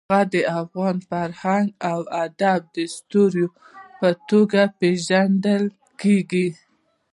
هغه د افغان فرهنګ او ادب د ستوري په توګه پېژندل کېږي.